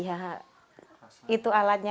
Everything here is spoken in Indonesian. ya itu alatnya